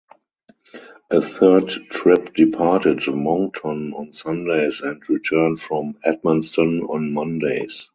A third trip departed Moncton on Sundays and returned from Edmundston on Mondays.